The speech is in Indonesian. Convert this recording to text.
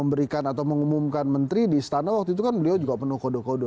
memberikan atau mengumumkan menteri di istana waktu itu kan beliau juga penuh kode kode